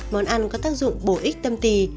món ăn có tác dụng bổ ích tâm tì